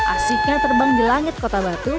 asiknya terbang di langit kota batu